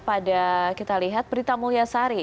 pada kita lihat berita mulia sari